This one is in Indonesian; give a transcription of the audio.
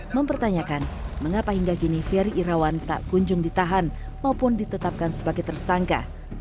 mempertanyakan mengapa hingga kini ferry irawan tak kunjung ditahan maupun ditetapkan sebagai tersangka